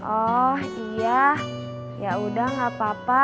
oh iya yaudah gak apa apa